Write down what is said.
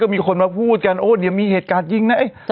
ก็มีคนมาพูดกันโอ้ยมีเหตุการณ์จริงนะเอ่ยเอ่อ